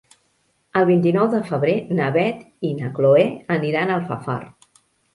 El vint-i-nou de febrer na Beth i na Chloé aniran a Alfafar.